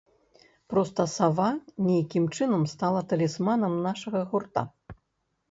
Проста сава нейкім чынам стала талісманам нашага гурта.